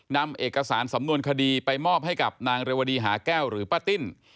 นำเอกสารสำนวนคดีไปมอบให้กับนางเรวดีหาแก้วหรือป้าติ้น